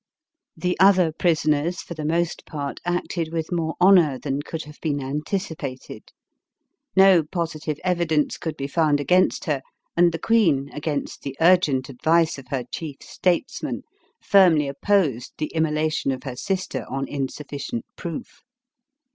The other prisoners for the most part acted with more honor than could have been anticipated. No positive evidence could be found against her, and the queen, against the urgent advice of her chief statesmen, firmly opposed the immolation of her sister on insufficient proof.